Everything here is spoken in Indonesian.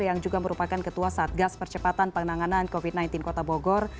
yang juga merupakan ketua satgas percepatan penanganan covid sembilan belas kota bogor